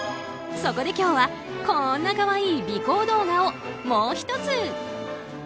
そこで今日はこんな可愛い尾行動画をもう１つ。